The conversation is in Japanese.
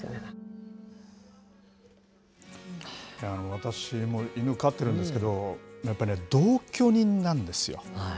私も犬飼ってるんですけど、やっぱね、同居人なんですよ。